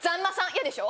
嫌でしょ？